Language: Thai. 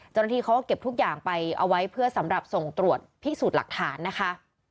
เจ้าหน้าที่เขาก็เก็บทุกอย่างไปเอาไว้เพื่อสำหรับส่งตรวจพิสูจน์หลักฐานนะคะ